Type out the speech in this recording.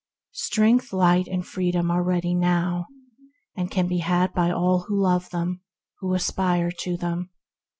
Strength, light, and freedom are ready now, and can be had by all who love them, who aspire to them.